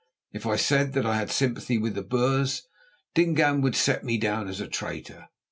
If I said that I had sympathy with the Boers, Dingaan would set me down as a traitor.